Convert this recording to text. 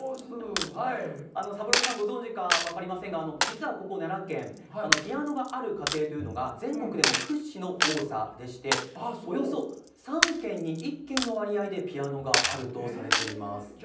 サブローさん、ご存じか分かりませんが、実はここ奈良県、ピアノがある家庭というのが、全国でも屈指の多さでして、およそ３軒に１軒の割合でピアノがあるとされています。